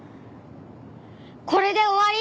これで終わり？